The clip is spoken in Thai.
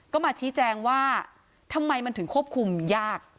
ก็มาชี้แจงว่าทำไมมันถึงควบคุมยาก